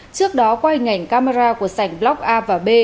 trước đó qua hình ảnh camera của sảnh block a và b